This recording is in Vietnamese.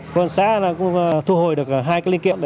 công an xã thu hồi được hai cái linh kiện